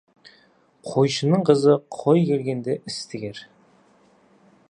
Қойшының қызы қой келгенде іс тігер.